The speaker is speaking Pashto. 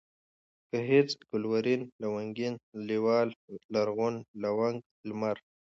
گهيځ ، گلورين ، لونگين ، لېوال ، لرغون ، لونگ ، لمر